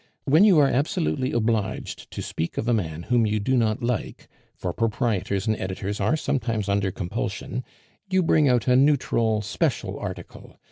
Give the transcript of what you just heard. When you are absolutely obliged to speak of a man whom you do not like, for proprietors and editors are sometimes under compulsion, you bring out a neutral special article.